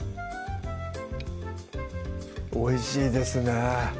おいしいですね